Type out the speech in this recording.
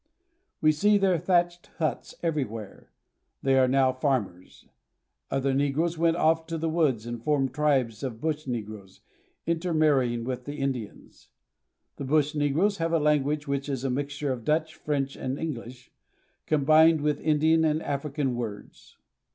We see their thatched huts everywhere. They are now farmers. Other negroes went off to the woods and formed tribes of bush negroes, intermarrying with the Indians. The bush negroes have a language which is a mixture of Dutch, French, and English, combined with Indian and African fwords.